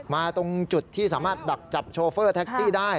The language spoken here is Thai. ตรงจุดที่สามารถดักจับโชเฟอร์แท็กซี่ได้